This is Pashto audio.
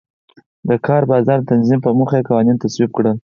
د کار بازار د تنظیم په موخه یې قوانین تصویب کړل.